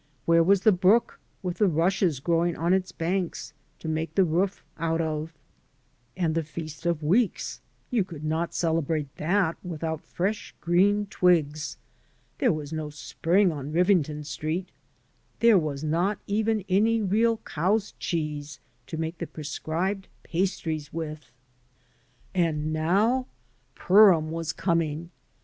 Where was the brook with the rushes growing on its banks to make the roof out of? And the Feast of Weeks, you could not celebrate that without fresh green twigs. There was no spring on Rivington Street. There was not even any real cow's cheese to make the prescribed pastries with. 118 PURIFICATIONS And now Purim was coming.